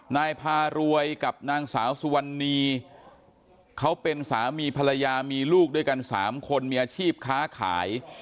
นายพารวยกับนางสาวสุวรรณีเขาเป็นสามีภรรยามีลูกด้วยกัน๓คนมีอาชีพค้าขาย